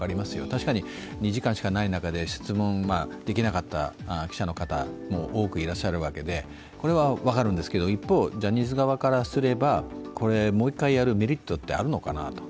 確かに２時間しかない中で質問できなかった記者の方も多くいらっしゃるわけでこれは分かるんですけれども、一方、ジャニーズ側からすれば、もう一回やるメリットってあるのかなと。